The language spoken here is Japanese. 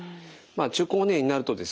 中高年になるとですね